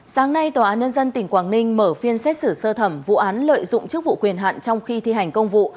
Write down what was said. sáng nay tòa án nhân dân tỉnh quảng ninh mở phiên xét xử sơ thẩm vụ án lợi dụng chức vụ quyền hạn trong khi thi hành công vụ